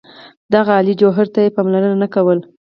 دغه عالي جوهر ته یې پاملرنه نه کوله.